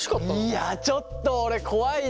いやちょっと俺怖いな。